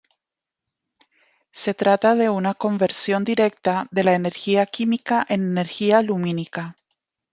Se trata de una conversión directa de la energía química en energía lumínica.